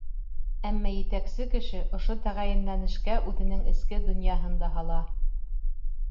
Әммә етәксе кеше ошо тәғәйенләнешкә үҙенең эске донъяһын да һала.